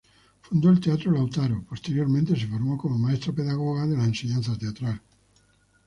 Fundó el Teatro Lautaro, posteriormente se formó como maestra pedagoga de la enseñanza teatral.